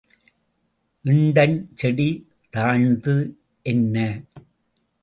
இண்டஞ்செடி தாழ்ந்து என்ன?